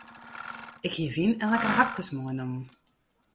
Ik hie wyn en lekkere hapkes meinommen.